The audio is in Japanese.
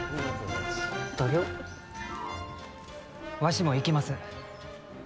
わしも行きます。